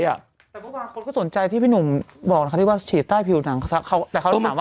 แต่เมื่อวานคนก็สนใจที่พี่หนุ่มบอกนะคะที่ว่าฉีดใต้ผิวหนังแต่เขาต้องถามว่า